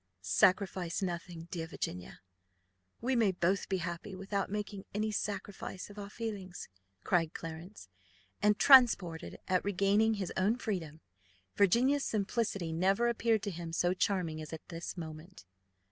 "Sacrifice nothing, dear Virginia. We may both be happy without making any sacrifice of our feelings," cried Clarence. And, transported at regaining his own freedom, Virginia's simplicity never appeared to him so charming as at this moment.